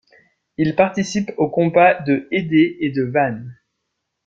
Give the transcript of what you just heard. Il participe aux combats de Hédé et de Vannes.